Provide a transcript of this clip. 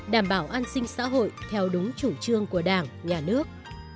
đảm bảo an sinh xã hội theo đúng chủ trương của đảng nhà nước